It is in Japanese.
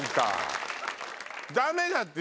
ダメだって！